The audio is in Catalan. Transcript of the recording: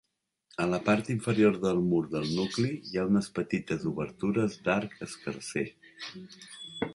A la part inferior del mur del nucli hi ha unes petites obertures d'arc escarser.